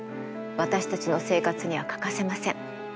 私たちの生活には欠かせません。